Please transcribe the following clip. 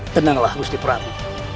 tenanglah gusti prabu